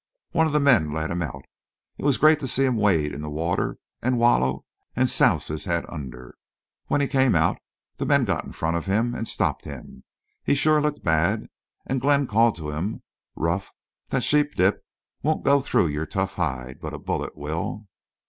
One of the men led him out. It was great to see him wade in the water an' wallow an' souse his head under. When he came out the men got in front of him any stopped him. He shore looked bad.... An' Glenn called to him, 'Ruff, that sheep dip won't go through your tough hide, but a bullet will!"